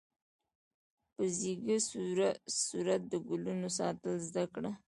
په ځیږه صورت د ګلو ساتل زده کړه.